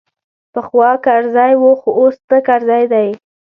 پخوا کرزی وو خو اوس نه کرزی دی.